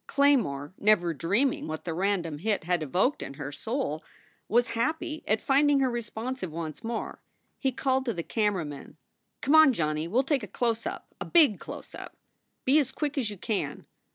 Claymore, never dreaming what the random hint had evoked in her soul, was happy at finding her responsive once more. He called to the camera man: "Come on, Johnny, we ll take a close up, a big close up! Be as quick as you can."